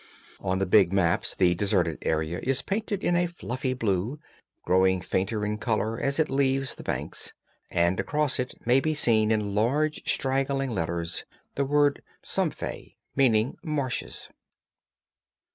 On the big maps this deserted area is painted in a fluffy blue, growing fainter in color as it leaves the banks, and across it may be seen in large straggling letters the word Sümpfe, meaning marshes.